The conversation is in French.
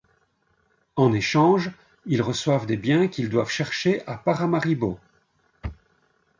En échange, ils reçoivent des biens qu'ils doivent chercher à Paramaribo.